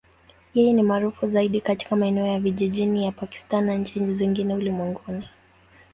Yeye ni maarufu zaidi katika maeneo ya vijijini ya Pakistan na nchi zingine ulimwenguni.